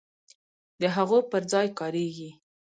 د هغو پر ځای کاریږي.